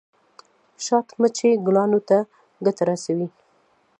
شات مچۍ ګلانو ته ګټه رسوي